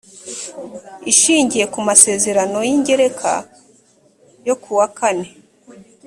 ishingiye ku masezerano y ingereka yo ku wa kane